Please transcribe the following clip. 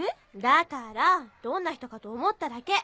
だからどんな人かと思っただけ。